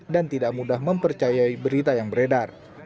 dan tidak mudah mempercayai berita yang beredar